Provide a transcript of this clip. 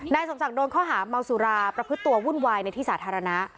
นายสมศักดิ์โดนข้อหาเมาสุราประพฤติตัววุ่นวายในที่สาธารณะ